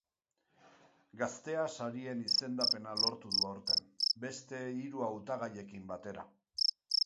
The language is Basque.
Gaztea sarien izendapena lortu du aurten, beste hiru hautagaiekin batera.